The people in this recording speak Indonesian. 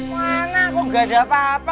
mana kok gak ada apa apa